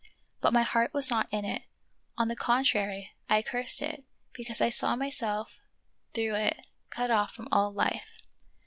But my heart was not in it ; on the contrary, I cursed it, because I saw myself through it cut off from all life.